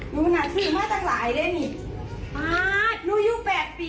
ขออนุญาตรายละออกนะคะ